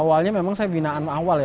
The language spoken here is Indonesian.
awalnya memang saya binaan awal ya